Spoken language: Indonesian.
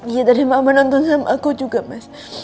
iya tadi mama nonton sama aku juga mas